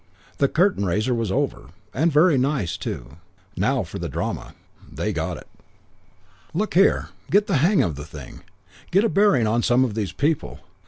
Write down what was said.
The curtain raiser was over, and very nice too; now for the drama. "They got it." II "Look here, get the hang of the thing. Get a bearing on some of these people.